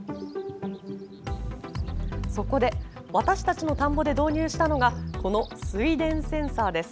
そこで私たちの田んぼで導入したのがこの水田センサーです。